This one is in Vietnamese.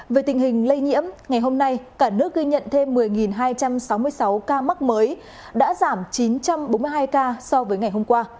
về tình hình lây nhiễm ngày hôm nay cả nước ghi nhận thêm một mươi hai trăm sáu mươi sáu ca mắc mới đã giảm chín trăm bốn mươi hai ca so với ngày hôm qua